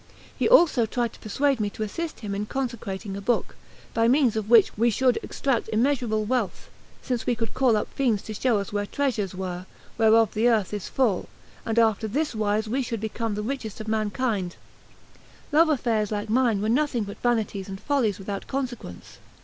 He also tried to persuade me to assist him in consecrating a book, by means of which we should extract immeasurable wealth, since we could call up fiends to show us where treasures were, whereof the earth is full; and after this wise we should become the richest of mankind: love affairs like mine were nothing but vanities and follies without consequence.